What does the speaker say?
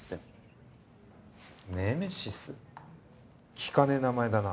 聞かねえ名前だな。